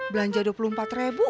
belanja rp dua puluh empat ribu